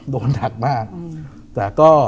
ดูหนักมาก